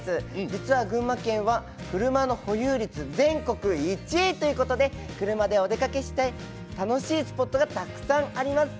実は群馬県は車の保有率全国１位ということで車でお出かけしたい楽しいスポットがたくさんあります。